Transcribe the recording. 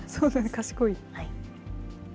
賢い。